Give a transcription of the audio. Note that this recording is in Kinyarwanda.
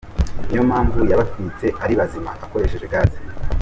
Niyo mpamvu yabatwitse ari bazima akoresheje gaz.